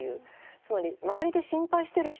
つまり周りで心配してる人。